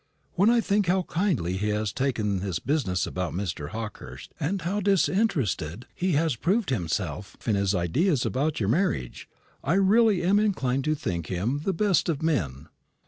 "When I think how kindly he has taken this business about Mr. Hawkehurst, and how disinterested he has proved himself in his ideas about your marriage, I really am inclined to think him the best of men."